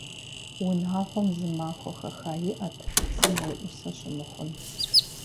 Унагъуэм зы махуэ хэха иӏэт цым уеӏусэ щымыхъун.